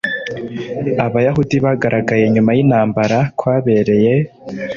abayahudi bagaragaye nyuma y'intambara, kwabereye